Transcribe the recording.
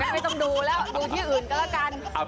ไม่ต้องดูแล้วดูที่อื่นก็แล้วกัน